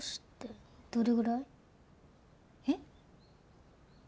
えっ？